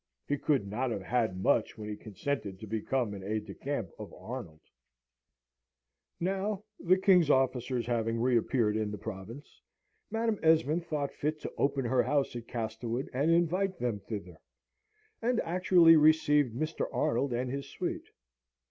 He could not have had much when he consented to become an aide de camp of Arnold. Now, the King's officers having reappeared in the province, Madam Esmond thought fit to open her house at Castlewood and invite them thither and actually received Mr. Arnold and his suite.